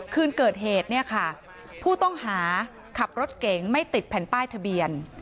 คืนเกิดเหตุผู้ต้องหาขับรถเก๋งไม่ติดแผนป้ายทะเบียน